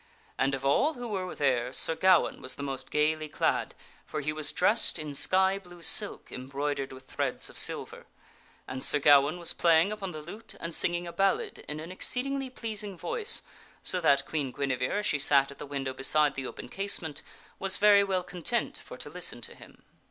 And. of all who were there Sir Gawaine was the most gayly clad, for he was dressed in sky blue silk embroidered with threads of silver. And Sir Gawaine was playing upon the lute and singing a ballad in an exceedingly pleasing voice so that Queen Guinevere, as she sat at the window beside the open casement, was very well content for to listen to him.